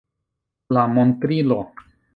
La montrilo.